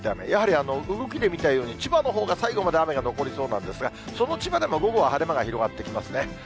やはり動きで見たように、千葉のほうが最後まで雨が残りそうなんですが、その千葉でも午後は晴れ間が広がってきますね。